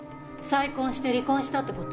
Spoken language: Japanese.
再婚して離婚したって事？